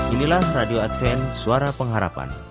inilah radio adven suara pengharapan